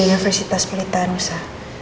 di universitas pelitah rusa